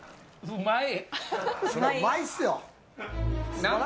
うまい！